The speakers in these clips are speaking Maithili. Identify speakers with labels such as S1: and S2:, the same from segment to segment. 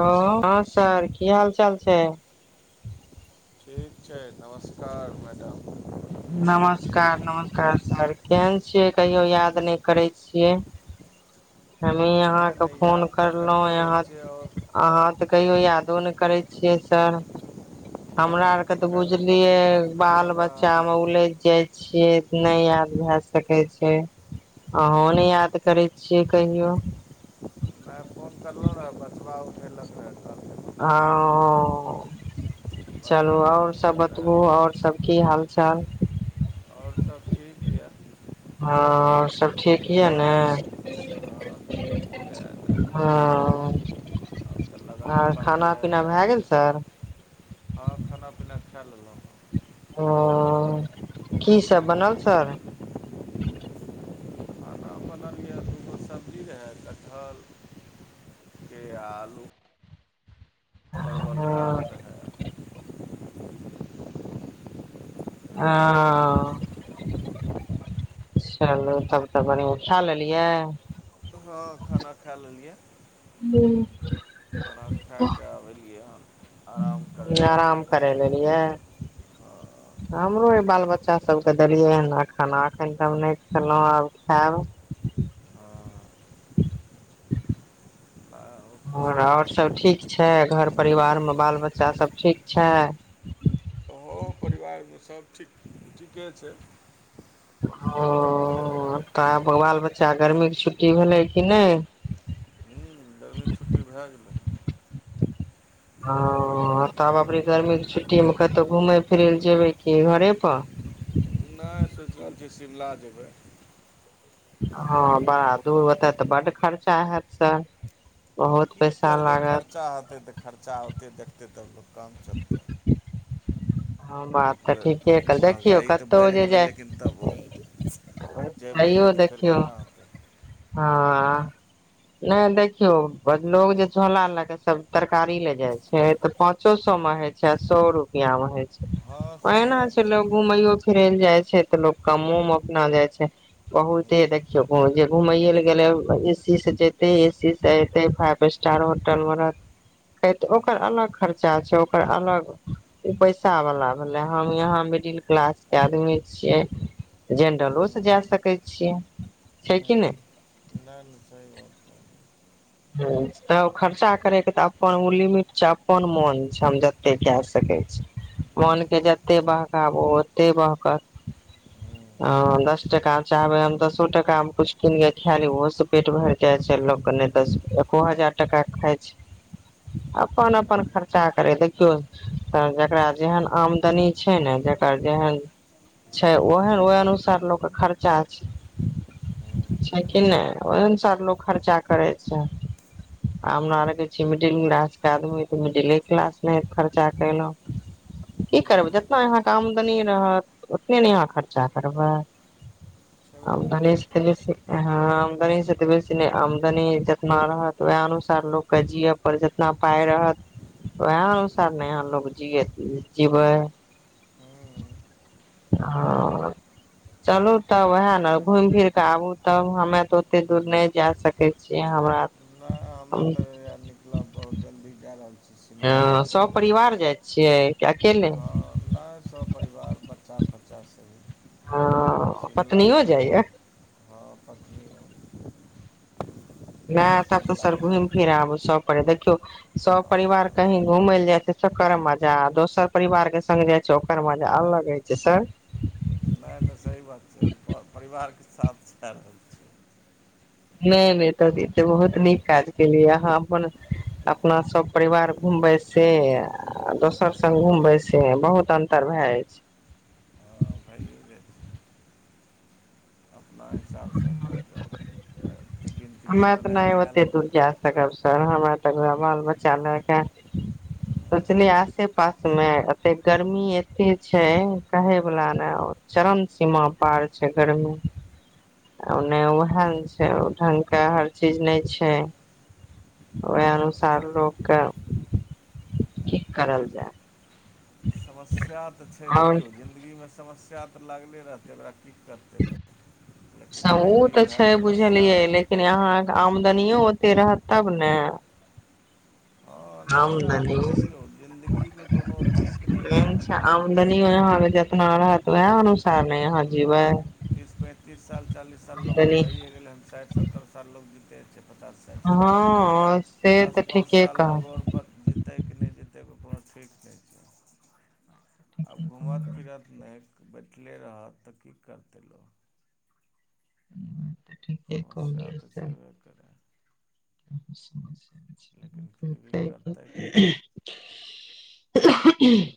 S1: हँ हँ सर की हाल चाल छै
S2: ठीक छै नमस्कार मैडम
S1: नमस्कार नमस्कार सर केहन छियै कहियो याद नहि करैय छियै हमी आहाँ
S2: नहि
S1: के
S2: नहि
S1: फोन
S2: याद तऽ
S1: करलों
S2: करते रहै छियै आओर
S1: आहाँ त कहियो यादो ने करै छियै सभ
S2: नहि
S1: हमरा आर
S2: हम
S1: के तऽ
S2: काल्हिओ
S1: बुझलियै
S2: परसू फोन
S1: बाल
S2: करलहुँ
S1: बच्चा
S2: रहए
S1: मे उलझ
S2: अहाँके
S1: जाय छियै नहि आर भए सकै छै आंहु नहि याद करै छियै कहियो
S2: [inaudible] फोन करलहुँ रैहे बचबा उठेलक रहे
S1: आ
S2: के
S1: चलू
S2: बचबा लग
S1: आओर सब
S2: मोबाइल
S1: बतबू
S2: रहए
S1: आओर सब की हाल चाल
S2: और सब ठीक यऽ
S1: हँ सभ ठीक यए ने
S2: हँ ठीक यए
S1: हँ
S2: आब तऽ लगनो
S1: आर
S2: पाती
S1: खाना
S2: आबि
S1: पीना भए
S2: रहल
S1: गेल
S2: यए
S1: सर
S2: खाँ लेलौ
S1: ओ कीसभ बनल सर
S2: हम बनल यऽ दूगो सब्जी रहै कटहलके आलू परवल दालि
S1: हँ
S2: रहै इएह सब खाना
S1: हँ
S2: सब
S1: चलू तब तऽ बढ़िआँ खा लेलियै
S2: हँ खाना खा लेलियै
S1: हू
S2: खा कऽ अबलियै हन आराम करै लए
S1: आराम करे लेलियै
S2: हँ
S1: हमरो ई बाल बच्चा सभके देलियै ह ने खाना एखन तब नहि खेलहुँ आब खायब
S2: हँ नहि ओ तऽ
S1: आओर
S2: सही
S1: आओर सभ
S2: छै
S1: ठीक छै घर परिवार मे बाल बच्चासभ ठीक छै
S2: गाँव परिवार मे सब ठीक ठीके छै
S1: ओ तऽ आब बाल बच्चा गर्मी के छुट्टी भेलै कि नहि
S2: हूँ गर्मी के छुट्टी भए गेलै
S1: ओ तऽ आब अभी गर्मी के छुट्टीमे कतहु घूमय फिरय लए जेबै कि घरे पर
S2: नहि सोचि रहल छियै शिमला जेबै
S1: ओ बड़ा दूर ओतै तऽ बड्ड खर्चा हैत सर बहुत
S2: की
S1: पैसा
S2: करबै
S1: लागत
S2: खर्चा होतै तऽ खर्चा होतै देखतै तब लोक काम चलते
S1: हँ बात तऽ ठीके
S2: एकबेर
S1: कह देखियौ
S2: महगाइ तऽ
S1: कतहु
S2: बढ़ि
S1: जे
S2: गेलै
S1: जाय
S2: लेकिन तबो जेबै
S1: तैयो
S2: नहि तऽ फेर
S1: देखियौ
S2: केना होतै
S1: हँ नहि देखियो लोग जे झोला लके सब तरकारी ले जाय छै तऽ पांचो सौ में होय छै आ सओ रुपआ मे होइ छै
S2: हँ सही
S1: ओहिना
S2: बात
S1: छै लोग घूमैयो फिरै लए जाइ छै तऽ लोग कमो मे अपना जाइ छै बहुते जे
S2: हूँ
S1: देखियौ बहुत जे घुमैइए ले गेलै एसी से जेतै एसी से अतै फाइव स्टार होटलमे रहतै ओकर अलग
S2: नहि
S1: खर्चा छै ओकर अलग उ पैसावला भेलै हम यहाँ मिडिल क्लास के आदमी छियै जेनरलो सँ जा सकै छियै छै कि नहि
S2: नहि नहि सही बात कहलिये
S1: ह तऽ खर्चा करयके तऽ अपन ओ लिमिट छै अपन मोन छै हम जते कए सकै छी मोनके जते बहकाबू ओते बहकत ह दस टका चाहबै हम दसो टकामे किछु कीने खाय ली ओहोसे पेट भरि जाइ छै लोकके एको हजार टका खाइ छै अपन अपन खर्चा करै देखियौ त जकरा जेहन आमदनी छै ने जकर जेहन छै ओहन ओह अनुसार लोक खर्चा छै छै कि नहि ओहि अनुसार लोक खर्चा करै छै आ हमरा आरके छि मिडिल क्लासके आदमी तऽ मिडिले क्लास नहि खर्चा कयलहुँ की करबै जितना यहाँ के आमदनी रहत उतने ने अहाँ खर्चा करबै
S2: छेबे
S1: आमदनी
S2: करै
S1: येसे हँ आमदानी से ते बेसी नहि आमदानी ज तना रहत वएह अनुसार लोकके जियै पर जितना पााय रहत वएह अनुसार ने यहाँ लोक जियए जिबै
S2: ओ
S1: ह चलू तब
S2: तऽ
S1: वएह ने
S2: छेबे
S1: घुमि
S2: करै
S1: फिर क आबू तब हमे तऽ ओते दूर नहि जा सकैत छि हमरा
S2: नहि हमे तऽ निकलब बहुत जल्दी जा रहल छी शिमला
S1: हँ स
S2: जेबै
S1: परिवार जाइत छियै कि अकेले
S2: हँ नहि स परिवार बच्चा बच्चा सब
S1: हँ
S2: शिमला
S1: पत्नियो
S2: जेबै
S1: जाइया
S2: हँ पत्नीओ
S1: नहि तब तऽ
S2: शिमला
S1: सर घुमि फिर आबू सब परि देखियौ सब परिवार
S2: हँ
S1: कही घूम लए जाय कर मजा दोसर परिवार के सङ्ग जाइ छै ओकर मजा अलग होइ छै स
S2: नहि नहि सही बात छै हम परिवारके साथ छा रहल छियै
S1: नहि नहि तऽ बहुत नीक काज केलियै अहाँ अपन अपना सभ परिवार घूमबै से दोसर स्ग घूमबै से बहुत अन्तर भए जाइ छै
S2: हँ भइए जाइ ओ हिसाबसँ अपन च
S1: हमे तऽ नहि ओते दूर जा सकब सर हमरा त बाल बच्चा लएके सोचलियै आसे पास मे एते गर्मी एते छै कहे वला ने चरम सीमा पार छै गरमीने ओएह छैढ लोकके हर चीज नहि छै ओहि अनुसार
S2: अच्छा
S1: लोककेँ की करल जाय
S2: समस्या तऽ छै
S1: आओर
S2: देखियौ जिन्दगीमे सम्या तऽ लागले रहतै ओकरा की करतै लेकिन
S1: ओ
S2: फिर भी
S1: तऽ
S2: उएह
S1: छै
S2: समस्या
S1: बुझलियै लेकिन यहाँ आम दनियो ओते रह तब ने
S2: हँ नहि रहत
S1: आमदनी
S2: तऽ देखियौ जिन्दगीके कोनो ठीक नहि छै
S1: तना ह त वएह अनुसार नहि हाँ जी व
S2: तीस पैंतीस साल चालीस सालोग के भयए ए गेलै हन साठि सत्तर साल ल ज छै पचास साठि साल
S1: हँ से तऽ
S2: दश पाँच
S1: ठीके
S2: साल
S1: कह
S2: लोग आओर जीतै कि नहि जीतैनो ठीक छै छै आब
S1: ठीके कहलियै ई
S2: घूमत फिरत नहि बैठले रहत तऽ की करतै लोक
S1: धन्यवाद
S2: समस्या तऽ छेबे करै
S1: अ सम
S2: लेकिन फिर भी करतै की
S1: [inaudible]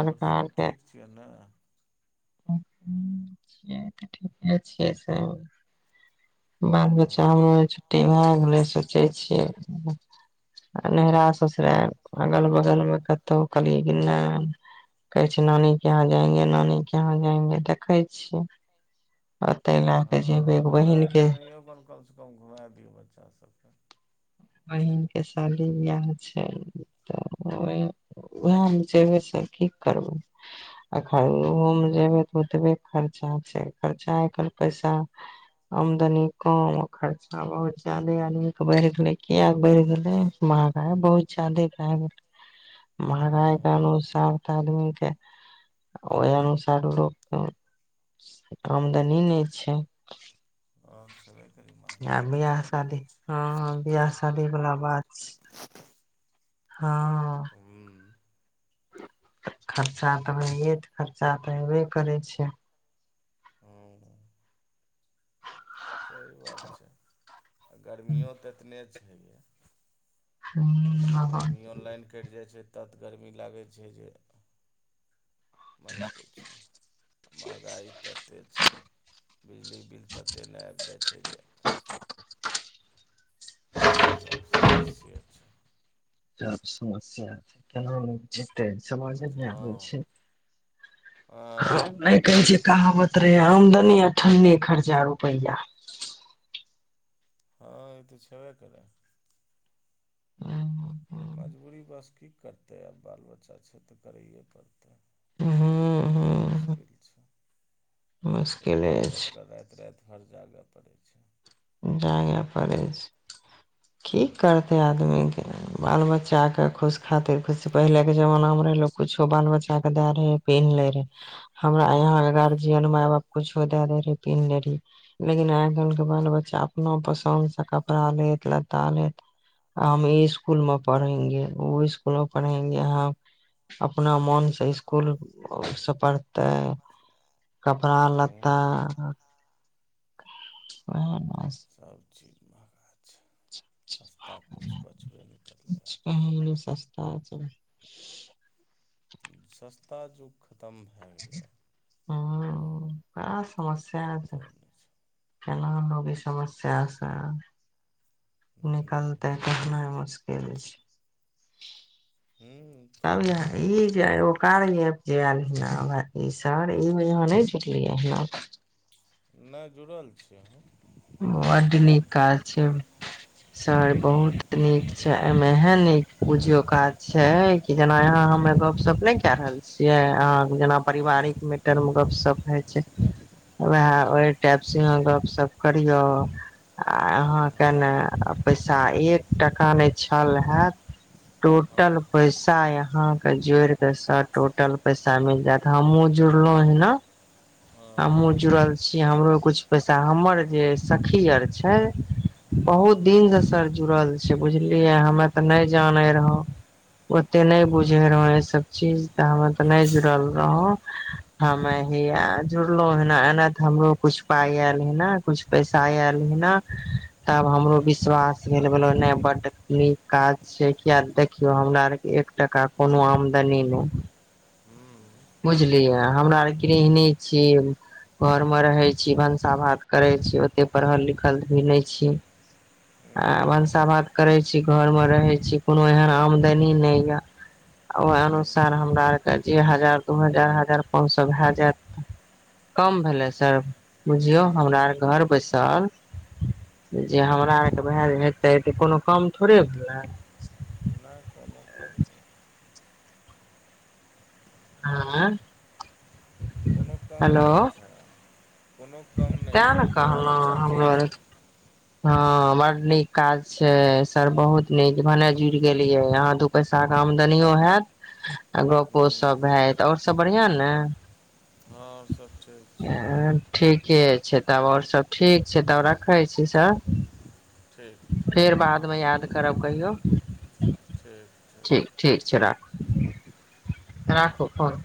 S2: आओर सब ठीक छियै ने
S1: िय तऽ ठीके छियै सभ
S2: ओ
S1: [unintelligible] सोचै छियै नहिरा ससुरारि अगल बगलमे कतहु कहलियै कि नहि कहै छै नानीे यहाँ जायंगे नानीे यहाँ जायंगे देखै छियै ओते लए के
S2: हँ
S1: जेबै
S2: तऽ
S1: बहिन
S2: नहि
S1: के
S2: ननो कन कमसँ कम घुमा दियौ बच्चासभ [inaudible]
S1: बहीन पके शादी बियाह छै तऽ उहमे जेबै से की करबै अ ओहोमे जेबै तऽ ओतबे खर्चा छै खर्चा आइ काल्हि पैसा आमदनी कम खर्चा बहुत ज्यादे आदमीक बढ़ि गेलै किएक बढ़ि गेलै महगाइ बहुत जादे भए गेलै महगाइ के
S2: हँ
S1: अनुसार तऽ आदमीके ओहि अनुसार लोकके आमदनी नहि छै
S2: ह छय कनि
S1: आ
S2: मंहगाई त
S1: बियाह
S2: चरम
S1: शादी
S2: पर
S1: हँ बियाह
S2: छय
S1: शादी वाला बात छै हँ
S2: ह्म
S1: खर्चा तऽ होइयए त खर्चा तऽ हयबे करै छै
S2: हँ सही बात छै आ गर्मियों तऽ एतने छै यै।
S1: हँ,
S2: गर्मी ऑर लाइन कटि जाइ छै तत गरमी लागै छै जे मत पूछू महँगाइ तते छै बिजली बिल ततेक नइ आबि जाइ छै जे सभ समस्ये छै
S1: सब समस्या छै केना हम समझ में नहि आबै
S2: बुझलहुँ
S1: छै
S2: आँ
S1: नइ कहै छ कहावत रहे आमदनी ठने खर्जा रुपैआ
S2: हँ ई तऽ छैबे करै
S1: ह
S2: मजबूरी बस की करतै आब बाल बच्चा छै तऽ करैए पड़तै
S1: हूँ
S2: नई करबै तऽ
S1: हूँ
S2: मुश्किल छै ओहि
S1: मुश्किले
S2: दुआर लोक क राइत राइत घर जागे पड़ै छै
S1: जागे पड़ै छै की करते आदमीके बाल बच्चाके खुश खातिर खुश पहिलेके जमानामे रहै लोको कछो बाल बच्चाके दए रहे पिन्ह ले रहे हमरा यहाके गार्जियन मााय बाप कछो दए दे रहै पिन्ह ले रहहिय लेकिन आइ कल्हिके बाल बच्चा बचा अपना पसन्दसँ कपड़ा लेत लत्ता लेत आ हम ई इसकुल मे पढ़ेंगे ओ इसकुलो पढ़ेंगे हम अपना मोन से इसकुलसँ पढ़ते कपड़ा
S2: हूँ
S1: लत्ता
S2: हूँ
S1: ओएह
S2: सबचीज किछु बचबे नहि करलै
S1: सस्ता [inaudible]
S2: ताजुक खतम भए गेलैए
S1: आब समस्या छै केना लोक ई समस्यासँ
S2: ह
S1: निकलतै कहनाइ मुश्किल छै
S2: ह
S1: त
S2: तऽ
S1: ह
S2: समस्या छेबे
S1: जे
S2: करै
S1: कार्य एप जे आयल हय ना ई सर ई वजहाँ नहि जुटलियैना [unintelligible]
S2: नहि जुड़ल छीय हम
S1: बड नीक काज छै सर बहुत नीक छै एहिमे एहन नीक बुझियौ काज छै कि जेना यहाँ हमे
S2: हँ
S1: गपशप नहि कए रहल छियै अहाँ जेना
S2: हँ
S1: पारिवारिक मेटर मे गपशप होै छै वएह
S2: हँ
S1: वहे टेप से इहाँ गपसप करिय
S2: हँ हँ
S1: अहाँके ने पैसा एक टका नहि छल हैत
S2: हँ
S1: टोटल पैसा अहाँके जोड़िके टोटल पैसा मिल जायत हमहुँ जुड़लहुँ ह ने
S2: हँ हँ हँ हँ
S1: हमहुँ जुड़ल छी हमरो किछु पैसा हमर जे सखी आर छै बहुत दिन से सर जुड़ल छै बुझलियए हमे ते नई जाने रह ओते नई बुझे रहो ए सब चीज हम त नइ जुड़ल रहु हमे हेय जुड़लहु हे एना तऽ हमरो किुछु पााय आयल हे ने कुछ पैसा आयल हे ने तब हमरो विश्वास भेल नइ बड्ड नीक काज छ किया देखियो हमरा आरके एक टका कोनो आमदनी नइ बुझलियै हमरा आर गृहिणी छी घरमे रहैत छी भनसा भात करैत छी ओतेक पढ़ल लिखल भी नई छी आ भनसा भात करैत छी घरमे रहैत छी कोनो एहन आमदनी नइ यए ओहि अनुसार हमरा आरके जे हजार दू हजार हजार पाँच सए भए जायत कम भेलै सर बुझियौ हमरा आर घर बैसल जे हमरा आरके भए जे हेतै तऽ कोनो काम थोड़े भेलै
S2: नहि कोना क भैलै
S1: आँ
S2: कोनो कम
S1: हेलो
S2: थोडे छइ कोनो कम नहि
S1: तैं
S2: छै
S1: ने
S2: बहुत
S1: कहलहुँ
S2: अच्छा
S1: हमरो
S2: चीज छैय
S1: हँ बड़ नीक काज छै सर बहुत नीक भने जुड़ गेलियै यहाँ दू पैसा के आमदनियो हयत आ गपो
S2: हँ
S1: सब भत ओर सब बढ़िआं ने
S2: हँ आर सब ठीक छै
S1: ठीके छै तब आओर सब ठीक छै तब रखै छी सर
S2: ठीक
S1: फेर
S2: ठीक
S1: बादमे याद करब कहियौ ठीक ठीक छै राख राखू फोन